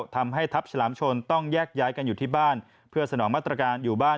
ทำให้ทัพฉลามชนต้องแยกย้ายกันอยู่ที่บ้านเพื่อสนองมาตรการอยู่บ้าน